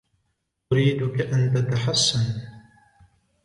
أريدك أن تتحسن.